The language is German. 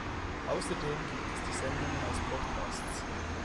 Außerdem gibt es die Sendungen als Podcast.